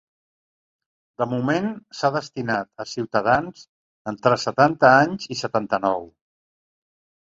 De moment, s’ha destinat a ciutadans entre setanta anys i setanta-nou.